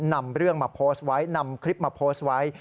นำเรื่องมาโพสต์ไว้นำคลิปมาโพสต์ไว้